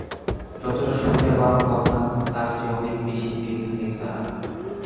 যতটা সুবিধা পাওয়ার কথা, তার চেয়ে অনেক বেশিই পেয়ে থাকেন তাঁরা।